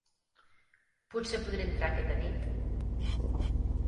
Potser podré entrar aquesta nit.